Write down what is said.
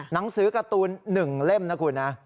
หนังสือการ์ตูน๑เล่มนะคุณนะ